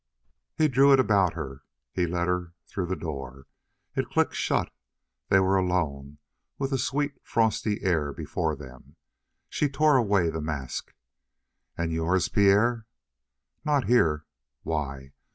He drew it about her; he led her through the door; it clicked shut; they were alone with the sweet, frosty air before them. She tore away the mask. "And yours, Pierre?" "Not here." "Why?"